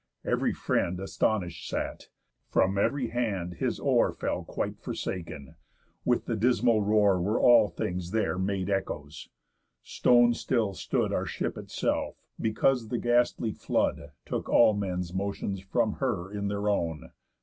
Ev'ry friend Astonish'd sat; from ev'ry hand his Oar Fell quite forsaken; with the dismal roar Were all things there made echoes; stone still stood Our ship itself, because the ghastly flood Took all men's motions from her in their own.